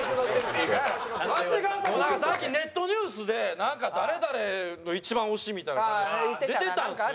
長谷川さんもさっきネットニュースで誰々の一番推しみたいなの出てたんですよ！